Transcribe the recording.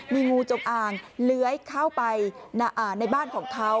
มีงูจงอางเลื้อยเข้าไปในบ้านของเขา